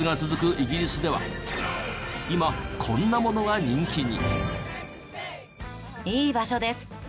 イギリスでは今こんなものが人気に。